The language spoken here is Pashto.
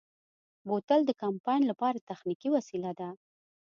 بوتل د کمپاین لپاره تخنیکي وسیله ده.